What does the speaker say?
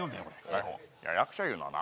台本役者いうのはな